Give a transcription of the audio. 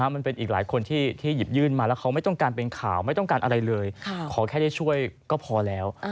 มันเป็นอีกหลายคนที่หยิบยื่นมาแล้วเขาไม่ต้องการเป็นข่าวไม่ต้องการอะไรเลยขอแค่ได้ช่วยก็พอแล้ว